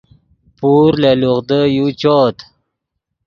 پور لے لوغدو یو چؤت